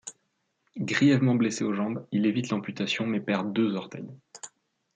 Grièvement blessé aux jambes, il évite l'amputation, mais perd deux orteils.